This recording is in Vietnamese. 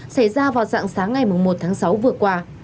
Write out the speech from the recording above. xảy ra vào dạng sáng ngày một tháng sáu vừa qua